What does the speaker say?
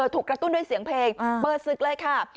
กระตุ้นด้วยเสียงเพลงเปิดศึกเลยค่ะ